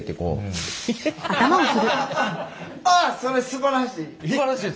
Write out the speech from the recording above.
それすばらしい！